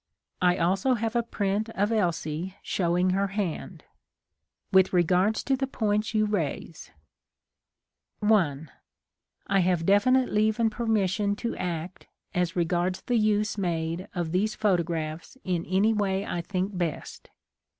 I also have a print of Elsie showing her hand. With regard to the points you raise ; 35 THE COMING OF THE FAIRIES 1. I have definite leave and permission to act as regards the use made of these photo graphs in any way I think best.